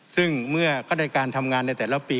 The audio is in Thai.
ซึ่งเมื่อเขาได้การทำงานในแต่ละปี